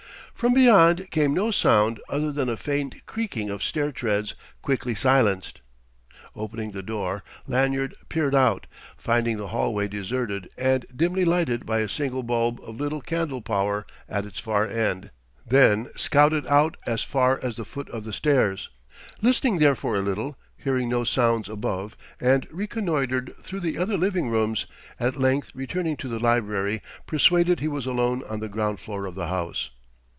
From beyond came no sound other than a faint creaking of stair treads quickly silenced. Opening the door, Lanyard peered out, finding the hallway deserted and dimly lighted by a single bulb of little candle power at its far end, then scouted out as far as the foot of the stairs, listened there for a little, hearing no sounds above, and reconnoitred through the other living rooms, at length returning to the library persuaded he was alone on the ground floor of the house.